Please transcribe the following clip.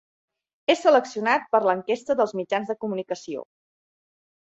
És seleccionat per l'enquesta dels mitjans de comunicació.